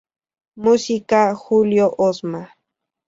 Música: Julio Osma.